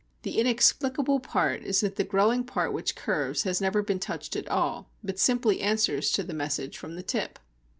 The inexplicable part is that the growing part which curves has never been touched at all, but simply answers to the message from the tip.